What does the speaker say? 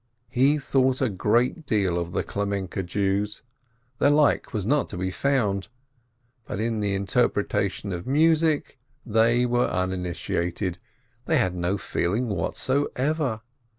He thought a great deal of the Klemenke Jews — their like was not to be found — but in the inter pretation of music they were uninitiated, they had no feeling whatever.